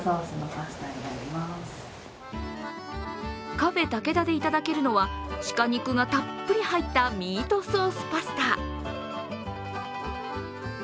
ＣａｆｅＴＡＫＥＤＡでいただけるのは鹿肉がたっぷり入ったミートソースパスタ。